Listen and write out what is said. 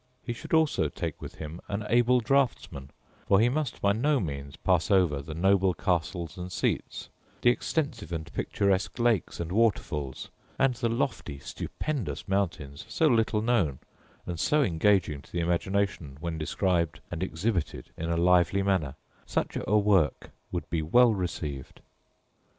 He should also take with him an able draughtsman: for he must by no means pass over the noble castles and seats, the extensive and picturesque lakes and water falls, and the lofty stupendous mountains, so little known, and so engaging to the imagination when described and exhibited in a lively manner: such a work would be well received.